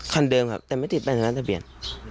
คันเดิมครับแต่ไม่ติดใบหน้าทะเบียน